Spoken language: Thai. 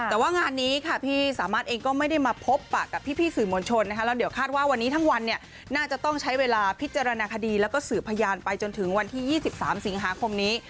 แต่ว่างานนี้ค่ะพี่สามารถเองก็ไม่ได้มาพบปะกับพี่สื่อมวลชนนะคะแล้วเดี๋ยวคาดว่าวันนี้ทั้งวันเนี่ยน่าจะต้องใช้เวลาพิจารณาคดีแล้วก็สื่อพยานไปจนถึงวันที่๒๓สิงหาคมนี้